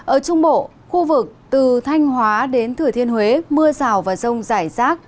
ở trung bộ khu vực từ thanh hóa đến thừa thiên huế mưa rào và rông rải rác